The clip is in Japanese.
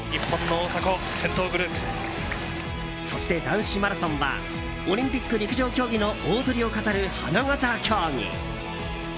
そして、男子マラソンはオリンピック陸上競技の大トリを飾る花形競技。